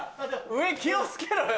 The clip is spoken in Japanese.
上気を付けろよ。